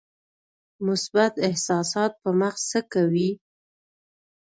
مثبت احساسات په مغز څه کوي؟